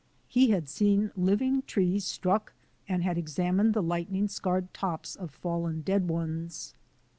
He had seen living trees struck and [had examined the lightning scarred tops of fallen dead ones.